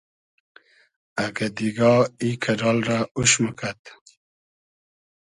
اگۂ دیگا ای کئۮال رۂ اوش موکئد